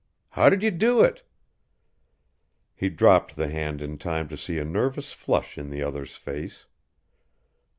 How did you do it?" He dropped the hand in time to see a nervous flush in the other's face.